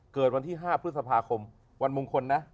เกิดวันที่๕พฤษภาคมวันมงคลนะ